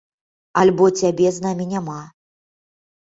Альбо цябе з намі няма.